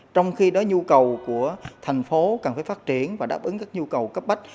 trong khi đó nhu cầu của thành phố cần phải phát triển và đáp ứng các nhu cầu cấp bách